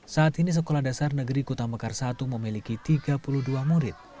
saat ini sekolah dasar negeri kutamekar i memiliki tiga puluh dua murid